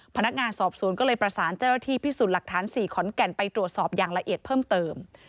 พนักงานสอบสวนก็เลยประสานเจ้าหน้าที่พิสูจน์หลักฐาน๔ขอนแก่นไปตรวจสอบอย่างละเอียดเพิ่มเติม